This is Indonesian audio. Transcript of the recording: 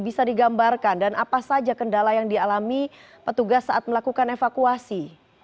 bisa digambarkan dan apa saja kendala yang dialami petugas saat melakukan evakuasi